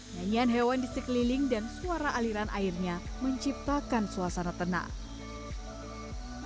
nyanyian hewan di sekeliling dan suara aliran airnya menciptakan suasana tenang